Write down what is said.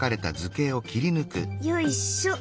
よいしょ！